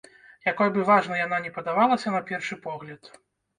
Якой бы важнай яна ні падавалася на першы погляд.